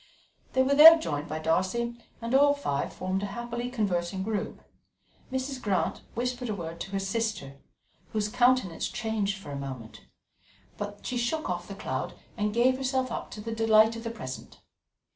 They were there joined by Darcy, and all five formed a happily conversing group. Mrs. Grant whispered a word to her sister, whose countenance changed for a moment; but she shook off the cloud and gave herself up to the delight of the present.